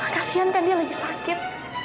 kasian kan dia lagi sakit